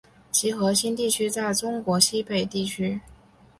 其核心地区在中国西北地区。